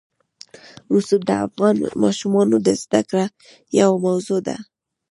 رسوب د افغان ماشومانو د زده کړې یوه موضوع ده.